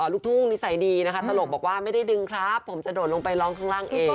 ลุกทุ้งนิสัยดีตลกเราบอกว่าไม่ได้ดึงครับผมจะโดนไปล้องข้างล่างเอง